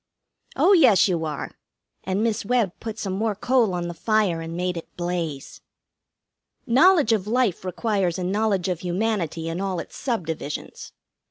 "Oh yes, you are." And Miss Webb put some more coal on the fire and made it blaze. "Knowledge of life requires a knowledge of humanity In all its subdivisions. Mrs.